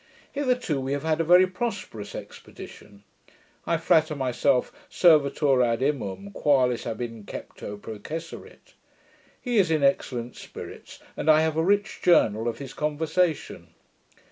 Hitherto we have had a very prosperous expedition. I flatter myself servetur ad imum, qualis ab incepto processerit. He is in excellent spirits, and I have a rich Journal of his conversation.